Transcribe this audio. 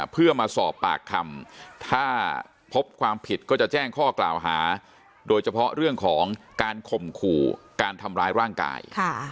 เพื่อมาสอบปากคำถ้าพบความผิดก็จะแจ้งข้อกล่าวหาโดยเฉพาะเรื่องของการข่มขู่การทำร้ายร่างกาย